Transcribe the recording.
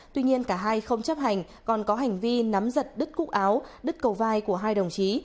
tuy nhiên cả hai không chấp hành còn có hành vi nắm giật đứt cúc áo đứt cầu vai của hai đồng chí